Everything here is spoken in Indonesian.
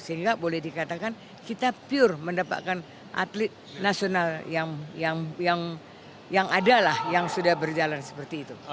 sehingga boleh dikatakan kita pure mendapatkan atlet nasional yang ada lah yang sudah berjalan seperti itu